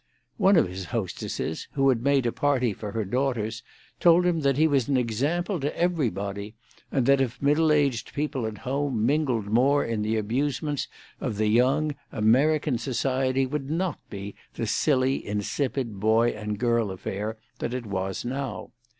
One of his hostesses, who had made a party for her daughters, told him that he was an example to everybody, and that if middle aged people at home mingled more in the amusements of the young, American society would not be the silly, insipid, boy and girl affair that it was now.